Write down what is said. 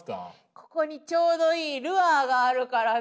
ここにちょうどいいルアーがあるからね。